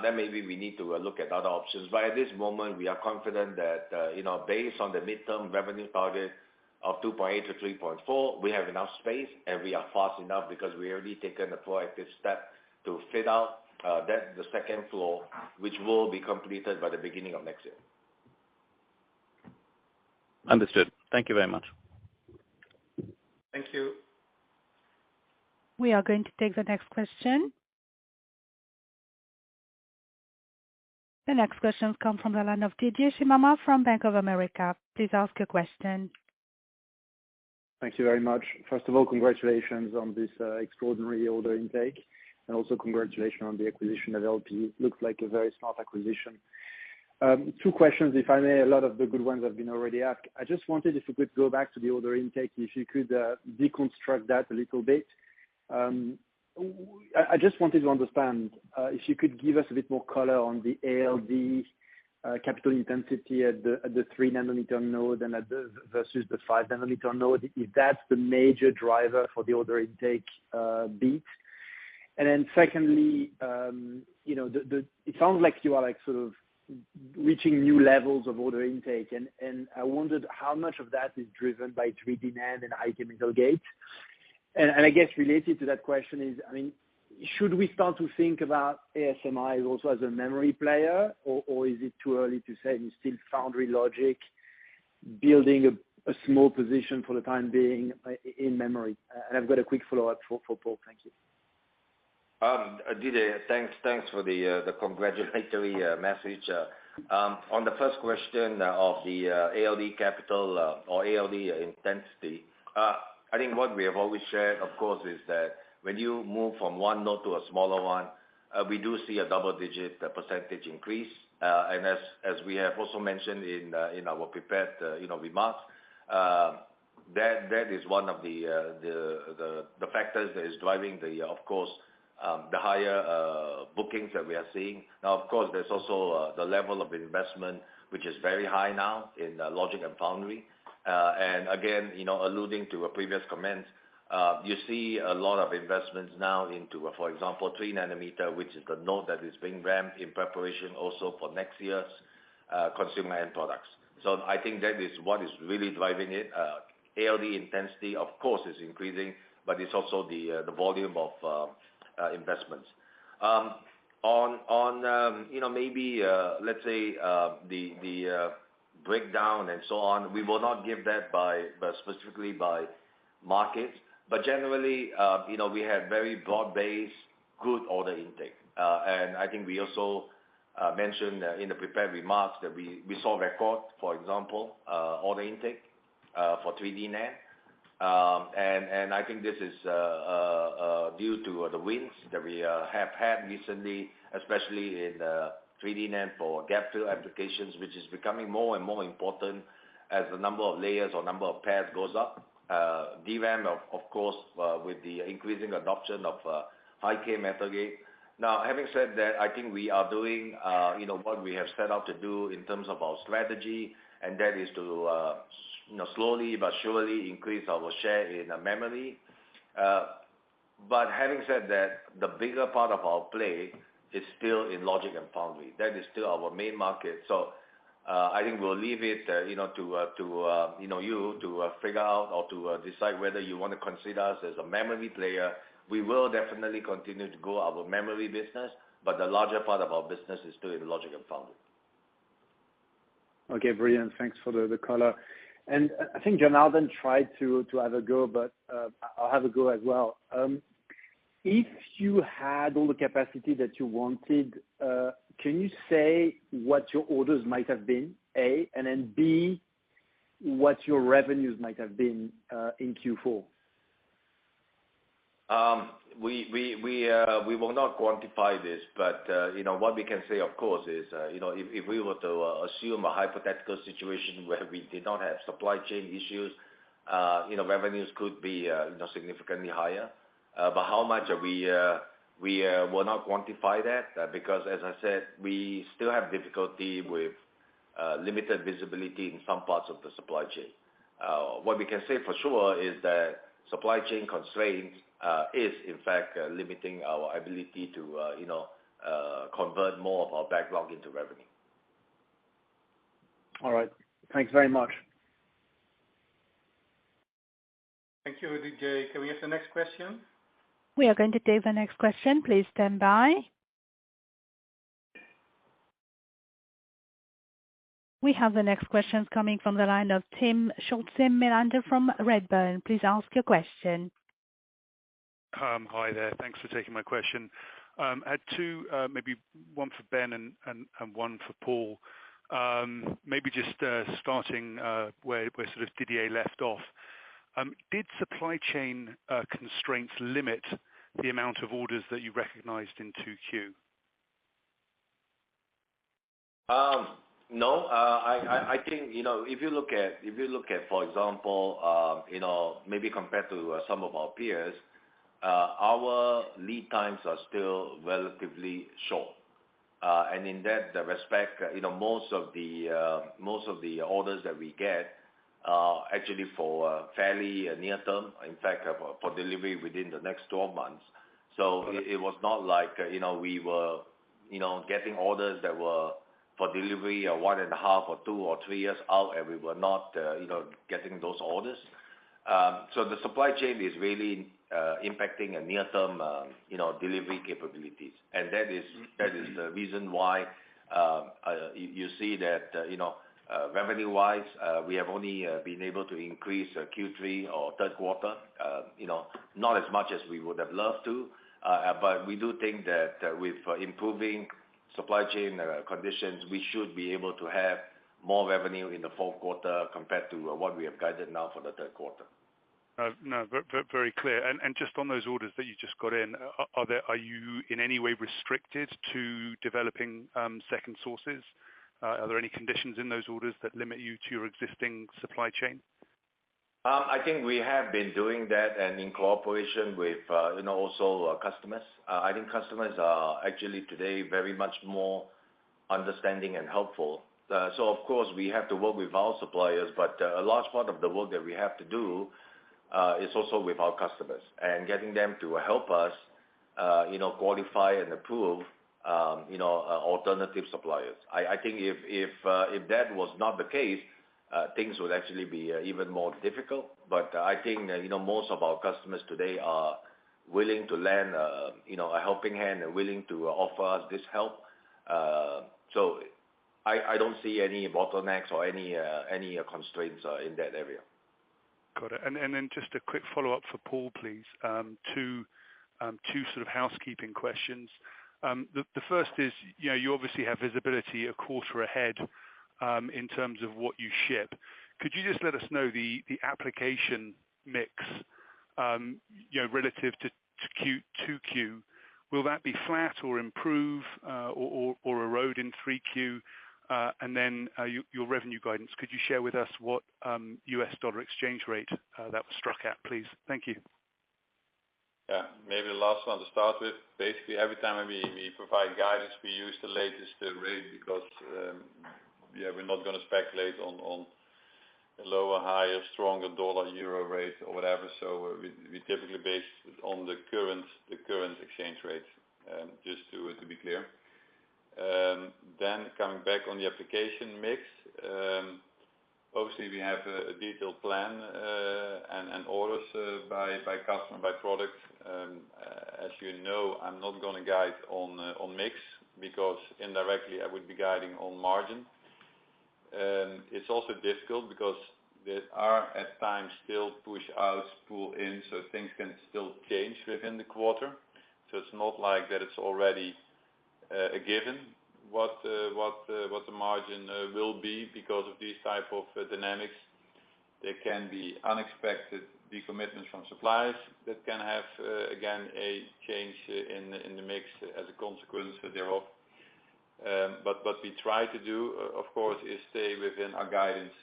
then maybe we need to look at other options. At this moment, we are confident that, you know, based on the midterm revenue target of 2.8-3.4, we have enough space, and we are fast enough because we already taken a proactive step to fit out the second floor, which will be completed by the beginning of next year. Understood. Thank you very much. Thank you. We are going to take the next question. The next question comes from the line of Didier Scemama from Bank of America. Please ask your question. Thank you very much. First of all, congratulations on this, extraordinary order intake and also congratulations on the acquisition of LPE. Looks like a very smart acquisition. Two questions, if I may. A lot of the good ones have already been asked. I just wondered if you could go back to the order intake, if you could, deconstruct that a little bit. I just wanted to understand, if you could give us a bit more color on the ALD, capital intensity at the 3nm node versus the 5nm node, if that's the major driver for the order intake beat. Then secondly, you know, the. It sounds like you are, like, sort of reaching new levels of order intake, and I wondered how much of that is driven by 3D-NAND and high-k metal gate. I guess related to that question is, I mean, should we start to think about ASMI also as a Memory player or is it too early to say it's still Foundry Logic building a small position for the time being in Memory? I've got a quick follow-up for Paul. Thank you. Didier, thanks for the congratulatory message. On the first question of the ALD capital or ALD intensity, I think what we have always shared, of course, is that when you move from one node to a smaller one, we do see a double-digit percentage increase. As we have also mentioned in our prepared, you know, remarks, that is one of the factors that is driving, of course, the higher bookings that we are seeing. Now, of course, there's also the level of investment which is very high now in Logic and Foundry. Again, you know, alluding to a previous comment, you see a lot of investments now into, for example, 3nm, which is the node that is being ramped in preparation also for next year's consumer end products. I think that is what is really driving it. ALD intensity, of course, is increasing, but it's also the volume of investments. On, you know, maybe let's say the breakdown and so on, we will not give that specifically by markets. Generally, you know, we have very broad-based good order intake. I think we also mentioned in the prepared remarks that we saw record order intake for 3D-NAND. I think this is due to the wins that we have had recently, especially in 3D-NAND for gap filler applications, which is becoming more and more important as the number of layers or number of pairs goes up. Demand, of course, with the increasing adoption of high-k metal gate. Now, having said that, I think we are doing you know what we have set out to do in terms of our strategy, and that is to you know slowly but surely increase our share in Memory. Having said that, the bigger part of our play is still in Logic and Foundry. That is still our main market. I think we'll leave it, you know, to you to figure out or to decide whether you wanna consider us as a Memory player. We will definitely continue to grow our Memory business, but the larger part of our business is still in Logic and Foundry. Okay, brilliant. Thanks for the color. I think Janardan tried to have a go, but I'll have a go as well. If you had all the capacity that you wanted, can you say what your orders might have been, A, and then, B, what your revenues might have been, in Q4? We will not quantify this, but you know, what we can say of course is you know, if we were to assume a hypothetical situation where we did not have supply chain issues, you know, revenues could be you know, significantly higher. How much we will not quantify that because as I said, we still have difficulty with limited visibility in some parts of the supply chain. What we can say for sure is that supply chain constraints is in fact limiting our ability to you know convert more of our backlog into revenue. All right. Thanks very much. Thank you, Didier. Can we have the next question? We are going to take the next question. Please stand by. We have the next questions coming from the line of Timm Schulze-Melander from Redburn. Please ask your question. Hi there. Thanks for taking my question. I had two, maybe one for Ben and one for Paul. Maybe just starting where sort of Didier left off. Did supply chain constraints limit the amount of orders that you recognized in 2Q? No. I think, you know, if you look at, for example, you know, maybe compared to some of our peers, our lead times are still relatively short. In that respect, you know, most of the orders that we get are actually for fairly near term, in fact, for delivery within the next 12 months. It was not like, you know, we were getting orders that were for delivery or 1.5 or 2 or 3 years out, and we were not, you know, getting those orders. The supply chain is really impacting our near-term, you know, delivery capabilities. That is the reason why, you see that, you know, revenue-wise, we have only been able to increase Q3 or third quarter, you know, not as much as we would have loved to. We do think that, with improving supply chain conditions, we should be able to have more revenue in the fourth quarter compared to what we have guided now for the third quarter. No, very clear. Just on those orders that you just got in, are you in any way restricted to developing second sources? Are there any conditions in those orders that limit you to your existing supply chain? I think we have been doing that, and in cooperation with, you know, also our customers. I think customers are actually today very much more understanding and helpful. Of course, we have to work with our suppliers, but a large part of the work that we have to do is also with our customers and getting them to help us, you know, qualify and approve, you know, alternative suppliers. I think if that was not the case, things would actually be even more difficult. I think, you know, most of our customers today are willing to lend, you know, a helping hand and willing to offer us this help. I don't see any bottlenecks or any constraints in that area. Got it. Then just a quick follow-up for Paul, please. Two sort of housekeeping questions. The first is, you know, you obviously have visibility a quarter ahead, in terms of what you ship. Could you just let us know the application mix, you know, relative to Q2. Will that be flat or improve, or erode in Q3? Your revenue guidance, could you share with us what US dollar exchange rate that was struck at, please? Thank you. Yeah. Maybe the last one to start with. Basically, every time we provide guidance, we use the latest rate because, yeah, we're not gonna speculate on a lower, higher, stronger dollar-euro rate or whatever. We typically base on the current exchange rate, just to be clear. Coming back on the application mix, obviously we have a detailed plan and orders by customer, by product. As you know, I'm not gonna guide on mix because indirectly I would be guiding on margin. It's also difficult because there are at times still push out, pull in, so things can still change within the quarter. It's not like that it's already a given what the margin will be because of these type of dynamics. There can be unexpected decommitments from suppliers that can have, again, a change in the mix as a consequence thereof. But what we try to do, of course, is stay within our guidance,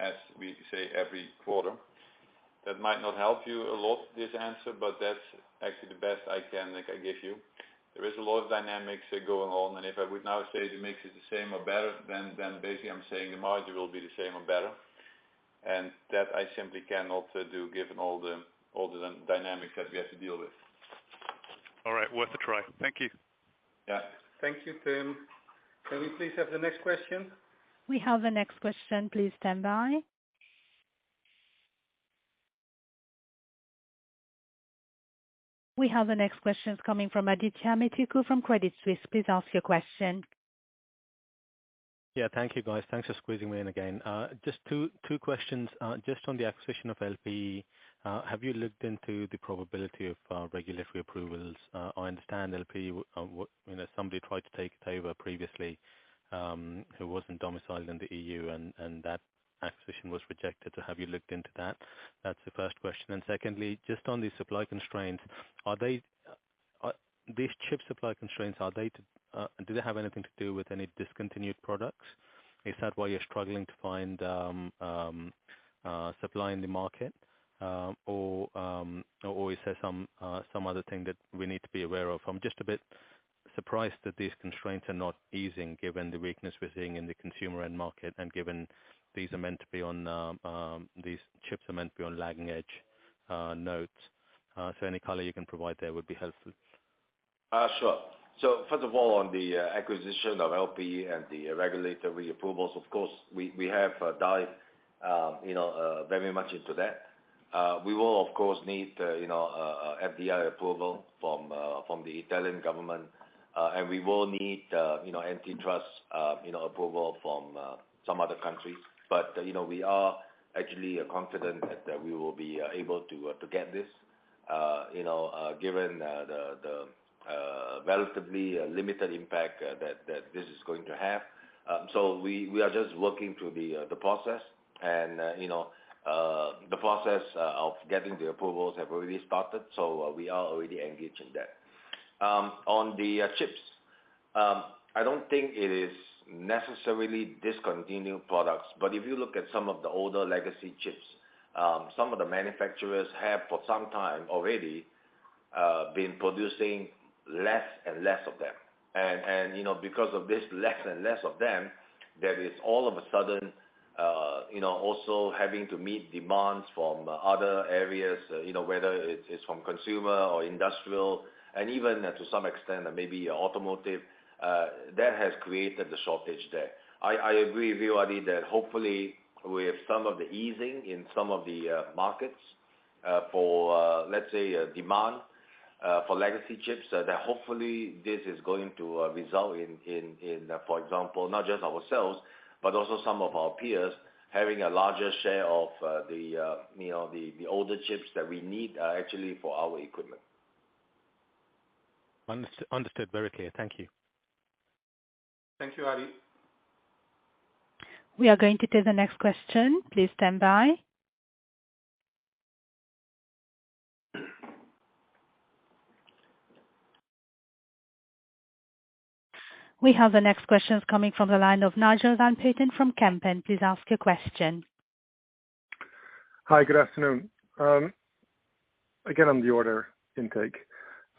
as we say every quarter. That might not help you a lot, this answer, but that's actually the best I can, like I give you. There is a lot of dynamics that go on, and if I would now say the mix is the same or better, then basically I'm saying the margin will be the same or better. That I simply cannot do given all the dynamics that we have to deal with. All right. Worth a try. Thank you. Yeah. Thank you, Tim. Can we please have the next question? We have the next question. Please stand by. We have the next question. It's coming from Adithya Metuku from Credit Suisse. Please ask your question. Yeah. Thank you, guys. Thanks for squeezing me in again. Just two questions. Just on the acquisition of LPE, have you looked into the probability of regulatory approvals? I understand LPE, you know, somebody tried to take it over previously, who wasn't domiciled in the EU, and that acquisition was rejected. Have you looked into that? That's the first question. Secondly, just on the supply constraints, are these chip supply constraints, do they have anything to do with any discontinued products? Is that why you're struggling to find supply in the market? Or is there some other thing that we need to be aware of? I'm just a bit surprised that these constraints are not easing given the weakness we're seeing in the consumer end market and given these chips are meant to be on lagging-edge nodes. Any color you can provide there would be helpful. Sure. First of all, on the acquisition of LPE and the regulatory approvals, of course, we have delved, you know, very much into that. We will of course need, you know, FDI approval from the Italian government. We will need, you know, antitrust, you know, approval from some other countries. But, you know, we are actually confident that we will be able to get this, you know, given the relatively limited impact that this is going to have. We are just working through the process and, you know, the process of getting the approvals have already started, so we are already engaged in that. On the chips, I don't think it is necessarily discontinuing products, but if you look at some of the older legacy chips, some of the manufacturers have for some time already been producing less and less of them. You know, because of this less and less of them, there is all of a sudden, you know, also having to meet demands from other areas, you know, whether it's from consumer or industrial and even to some extent, maybe automotive, that has created the shortage there. I agree with you, Adi, that hopefully with some of the easing in some of the markets for, let's say, demand for legacy chips, that hopefully this is going to result in, for example, not just ourselves but also some of our peers having a larger share of the, you know, the older chips that we need, actually for our equipment. Understood very clear. Thank you. Thank you, Adi. We are going to take the next question. Please stand by. We have the next questions coming from the line of Nigel van Putten from Kempen. Please ask your question. Hi. Good afternoon. Again, on the order intake,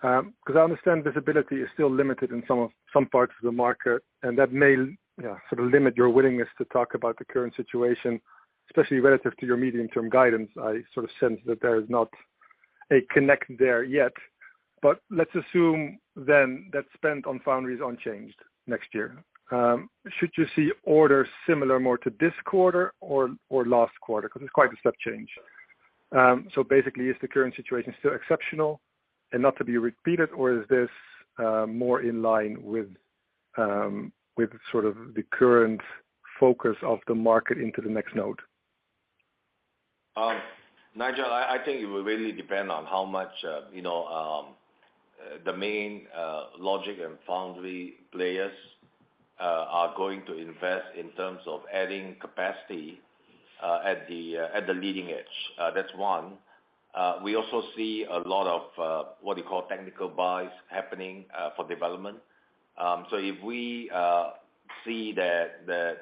'cause I understand visibility is still limited in some of, some parts of the market, and that may, yeah, sort of limit your willingness to talk about the current situation, especially relative to your medium-term guidance. I sort of sense that there is not a connect there yet. Let's assume then that spend on Foundry is unchanged next year. Should you see orders similar more to this quarter or last quarter? 'Cause it's quite a step change. Basically, is the current situation still exceptional and not to be repeated, or is this more in line with with sort of the current focus of the market into the next node? Nigel, I think it will really depend on how much, you know, the main Logic and Foundry players are going to invest in terms of adding capacity at the leading edge. That's one. We also see a lot of what you call technical buys happening for development. If we see that,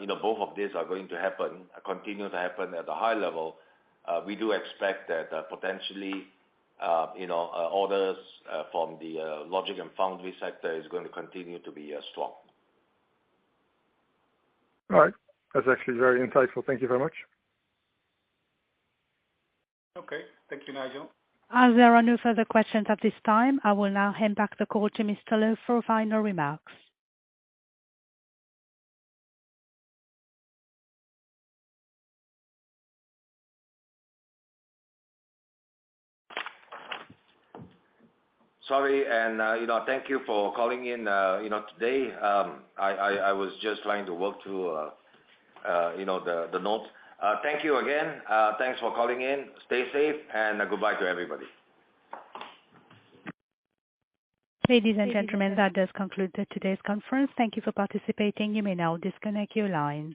you know, both of these are going to happen, continue to happen at a high level, we do expect that, potentially, you know, orders from the Logic and Foundry sector is going to continue to be strong. All right. That's actually very insightful. Thank you very much. Okay. Thank you, Nigel. As there are no further questions at this time, I will now hand back the call to Mr. Loh for final remarks. Sorry, and you know, thank you for calling in, you know, today. I was just trying to work through you know, the notes. Thank you again. Thanks for calling in. Stay safe, and goodbye to everybody. Ladies and gentlemen, that does conclude today's conference. Thank you for participating. You may now disconnect your lines.